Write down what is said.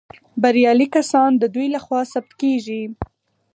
بریالي کسان د دوی لخوا ثبت کیږي.